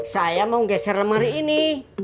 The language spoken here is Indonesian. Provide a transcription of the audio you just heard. saya mau geser lemari ini